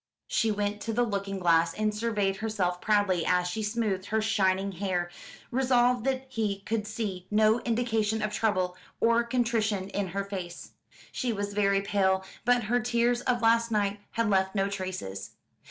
She went to the looking glass, and surveyed herself proudly as she smoothed her shining hair, resolved that he should see no indication of trouble or contrition in her face. She was very pale, but her tears of last night had left no traces.